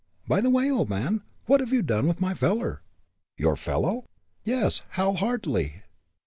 By the way, old man, what have you done with my feller?" "Your fellow?" "Yes Hal Hartly."